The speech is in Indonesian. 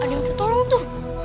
ada yang mau tolong tuh